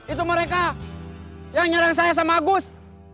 itu mereka yang nyerang saya sama agus